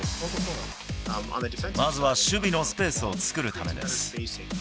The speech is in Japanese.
まずは、守備のスペースを作るためです。